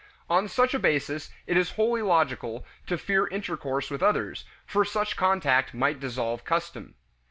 On such a basis it is wholly logical to fear intercourse with others, for such contact might dissolve custom.